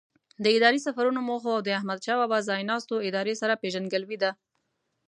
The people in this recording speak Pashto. د نظامي سفرونو موخو او د احمدشاه بابا ځای ناستو ادارې سره پیژندګلوي ده.